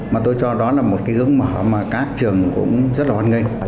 mà tôi cho đó là một cái ứng mở mà các trường cũng rất là hoàn nghênh